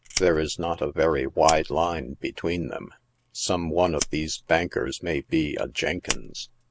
There is not a very wide line between them. Some one of these bankers may be a Jenkins.